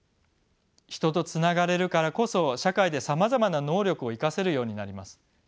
人とつながれるからこそ社会でさまざまな能力を生かせるようになります。